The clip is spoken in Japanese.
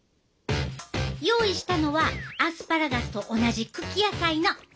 用意したのはアスパラガスと同じ茎野菜のセロリ。